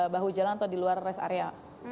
bahu jalan atau di luar rest area